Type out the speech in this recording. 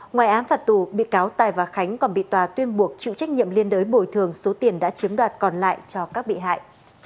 ngoài án phạt tù bị cáo tài và khánh còn bị tòa tuyên buộc chịu trách nhiệm liên đối bồi thường số tiền đã chiếm đoạt còn lại cho các bị hại